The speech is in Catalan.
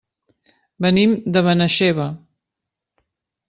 Venim de Benaixeve.